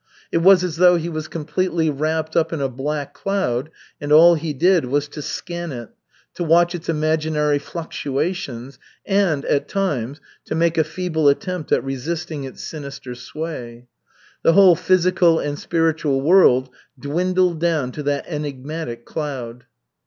It was as though he was completely wrapt up in a black cloud and all he did was to scan it, to watch its imaginary fluctuations, and, at times, to make a feeble attempt at resisting its sinister sway. The whole physical and spiritual world dwindled down to that enigmatic cloud.